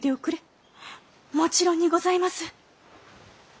もちろんにございます。